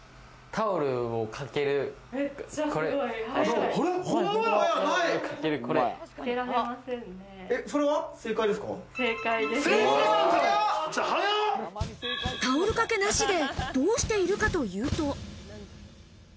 タオルかけなしでどうしているかというと。